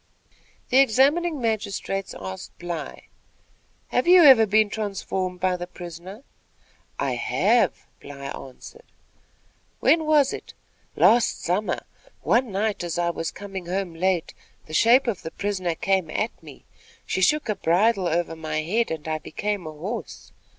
The examining magistrates asked Bly: "Have you ever been transformed by the prisoner?" "I have," Bly answered. "When was it?" "Last summer. One night, as I was coming home late, the shape of the prisoner came at me. She shook a bridle over my head and I became a horse.